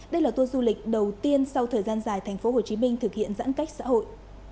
đây là tour du lịch đầu tiên sau thời gian dài tp hcm thực hiện giãn cách xã hội